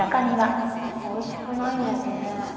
おいしくないんですね